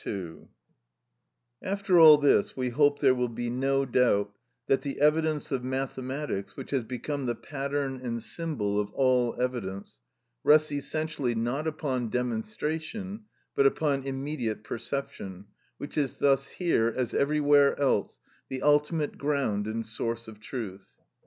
(22) After all this we hope there will be no doubt that the evidence of mathematics, which has become the pattern and symbol of all evidence, rests essentially not upon demonstration, but upon immediate perception, which is thus here, as everywhere else, the ultimate ground and source of truth.